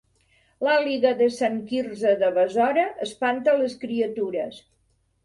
L'àliga de Sant Quirze de Besora espanta les criatures